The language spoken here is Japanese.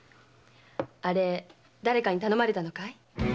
あれ誰かに頼まれたのかい？